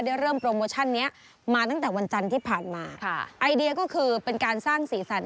เริ่มโปรโมชั่นเนี้ยมาตั้งแต่วันจันทร์ที่ผ่านมาค่ะไอเดียก็คือเป็นการสร้างสีสัน